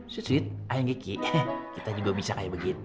sweet sweet ayang geki kita juga bisa kayak begitu